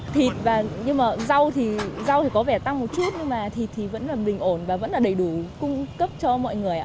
thịt và rau thì có vẻ tăng một chút nhưng mà thịt thì vẫn là bình ổn và vẫn là đầy đủ cung cấp cho mọi người ạ